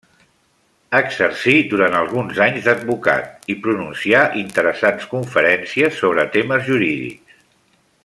Exercí durant alguns anys d'advocat i pronuncià interessants conferències sobre temes jurídics.